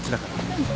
うん。